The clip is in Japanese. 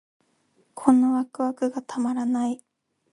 このワクワクがたまらない